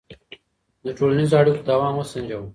د ټولنیزو اړیکو دوام وسنجوه.